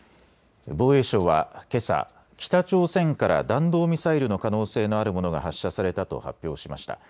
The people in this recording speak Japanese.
防衛省はけさ、北朝鮮から弾道ミサイルの可能性のあるものが発射されたと発表しました。